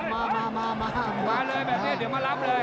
มามามามามามาเลยแบบเนี้ยเดี๋ยวมารับเลย